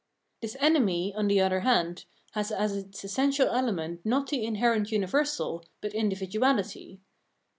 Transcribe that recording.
This enemy, on the other hand, has as its essen tial element not the inherent universal, but indi viduahty.